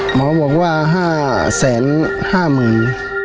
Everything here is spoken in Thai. หมอบอกว่า๕แสน๕หมื่น